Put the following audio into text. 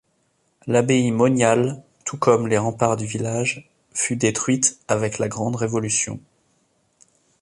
L'abbaye moniale, tout comme les remparts du village, fut détruite avec la grande Révolution.